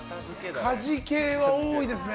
家事系は多いですね。